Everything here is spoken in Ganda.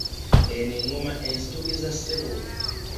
Eno eŋŋoma enzijukiza ssebo.